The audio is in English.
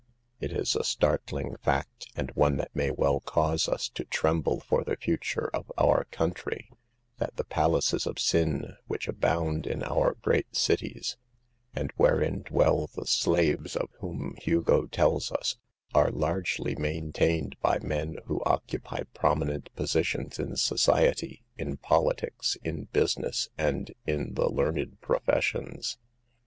It is a startling fact, and one that may well cause us to tremble for the future of our country, that the palaces of sin which abound in our great cities, and wherein dwell the slaves of whom Hugo tells us, are largely maintained by men who occupy prominent positions in society, in politics, in business, and 222 SAVE THE OIBLS. in the learned professions.